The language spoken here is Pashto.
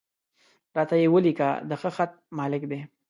را ته یې ولیکه، د ښه خط مالک دی.